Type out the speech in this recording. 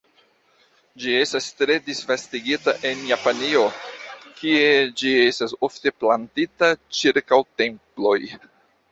Ĝi estas tre disvastigita en Japanio, kie ĝi estas ofte plantita ĉirkaŭ temploj.